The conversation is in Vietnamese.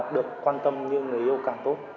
được quan tâm như người yêu càng tốt